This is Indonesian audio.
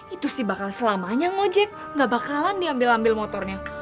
itu sih bakal selamanya ngojek gak bakalan diambil ambil motornya